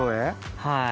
はい。